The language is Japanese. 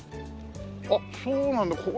あっそうなんだ。